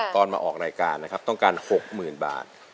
ตอนมาออกรายการนะครับต้องการ๖๐๐๐บาท